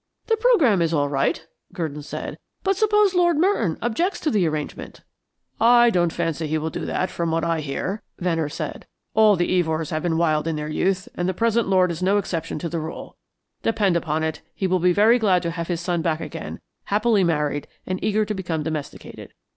"The programme is all right," Gurdon said. "But suppose Lord Merton objects to the arrangement?" "I don't fancy that he will do that, from what I hear," Venner said. "All the Evors have been wild in their youth, and the present lord is no exception to the rule. Depend upon it, he will be very glad to have his son back again, happily married, and eager to become domesticated.